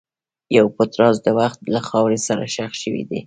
یو پټ راز د وخت له خاورې سره ښخ شوی دی.